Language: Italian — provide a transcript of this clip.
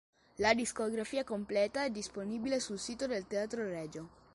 La discografia completa è disponibile sul sito del Teatro Regio.